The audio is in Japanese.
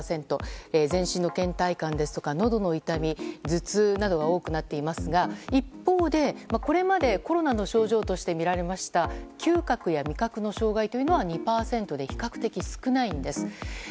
全身の倦怠感ですとかのどの痛み頭痛などが多くなっていますが一方で、これまでコロナの症状として見られました嗅覚や味覚の障害というのは２％で比較的少ないんです。